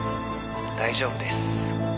大丈夫です」